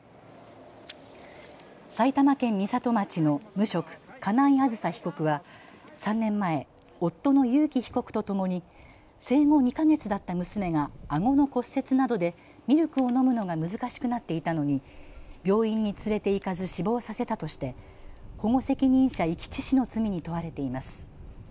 埼玉県美里町の無職、金井あずさ被告は３年前、夫の裕喜被告とともに生後２か月だった娘があごの骨折などでミルクを飲むのが難しくなっていたのに病院に連れて行かず死亡させたとして保護責任者遺棄致死の罪に問われています。